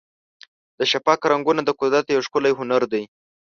د شفق رنګونه د قدرت یو ښکلی هنر دی.